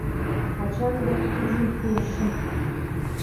Ачам дек куржын пурышым.